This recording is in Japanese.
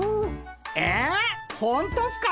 えほんとっすか？